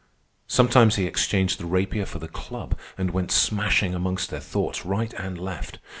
Sometimes he exchanged the rapier for the club and went smashing amongst their thoughts right and left.